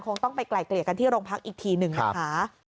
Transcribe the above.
คงต้องไปไกลเกลี่ยกันที่โรงพักอีกทีหนึ่งนะคะ